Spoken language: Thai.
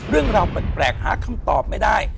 เรื่องราวแปลกหาคำตอบไม่ได้